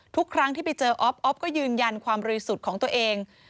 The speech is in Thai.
ทุกครั้งที่ไปเจออ๊อฟออฟก็ยืนยันความบริสุทธิ์ของตัวเอง